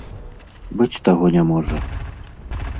Быць таго не можа.